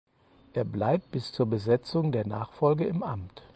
Er bleibt bis zur Besetzung der Nachfolge im Amt.